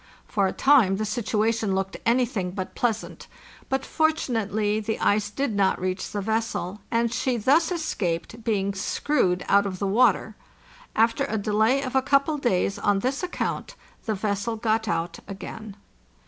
For a time the situation looked anything but pleasant; but fortunately the ice did not reach the vessel, and she thus escaped being screwed out of the water. After a delay of a couple of days on this account the vessel got out again.